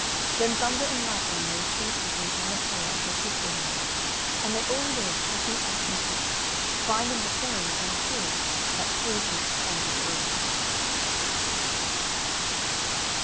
Then Thunder and Lightning made peace between Parmetella and her sisters in law, and they all lived happy and content, finding the saying come true, that "Patience conquers all."